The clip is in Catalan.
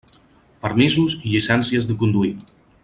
Permisos i llicencies de conduir.